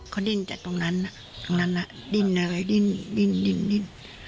เขาดิ้นจากตรงนั้นดิ้น